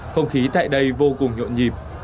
không khí tại đây vô cùng nhuận nhịp